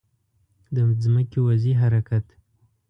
د ځمکې وضعي حرکت